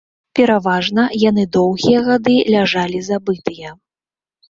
Пераважна яны доўгія гады ляжалі забытыя.